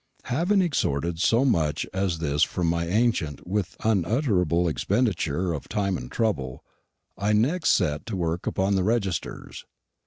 Having extorted so much as this from my ancient with unutterable expenditure of time and trouble, I next set to work upon the registers.